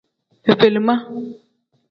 Fefelima.